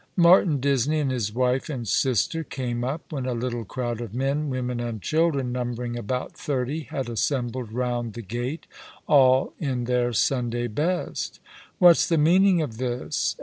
Martin Disney and his wife and sister came up when a little crowd of men, women, and children, numbering about thirty, had assembled round the gate, all in their Sunday best. "What's the meaning of this?